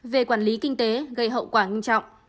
về quản lý kinh tế gây hậu quả nghiêm trọng